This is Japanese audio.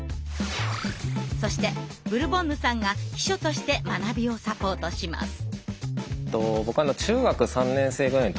そしてブルボンヌさんが秘書として学びをサポートします。